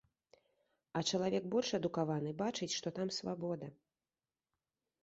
А чалавек больш адукаваны бачыць, што там свабода.